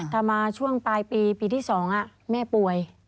ถ้ามาช่วงปลายปีปีที่๒แม่ป่วย